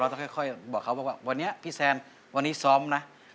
ต้องค่อยบอกเขาบอกว่าวันนี้พี่แซนวันนี้ซ้อมนะ